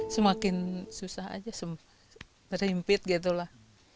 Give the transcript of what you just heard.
semakin susah saja terhimpit gitu lah